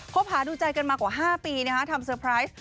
บหาดูใจกันมากว่า๕ปีทำเซอร์ไพรส์